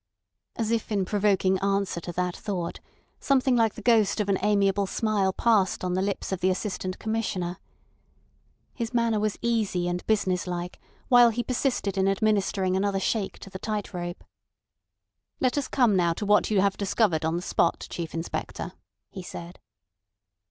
As if in provoking answer to that thought, something like the ghost of an amiable smile passed on the lips of the Assistant Commissioner. His manner was easy and business like while he persisted in administering another shake to the tight rope. "Let us come now to what you have discovered on the spot, Chief Inspector," he said.